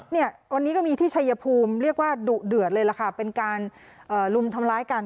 วันนี้ก็มีที่ชัยภูมิเรียกว่าดุเดือดเป็นการรุมทำล้ายกัน